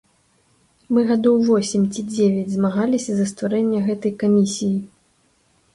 Мы гадоў восем ці дзевяць змагаліся за стварэнне гэтай камісіі.